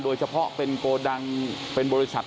โดยเฉพาะเป็นโกดังเป็นบริษัท